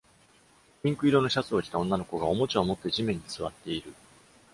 ピンク色のシャツを着た女の子が、おもちゃを持って地面に座っている。